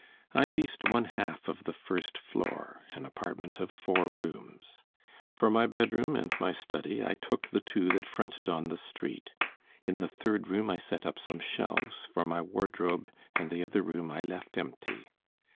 "I leased one half of the first floor, an apartment of four rooms. For my bedroom and my study I took the two that fronted on the street; in the third room I set up some shelves for my wardrobe, and the other room I left empty.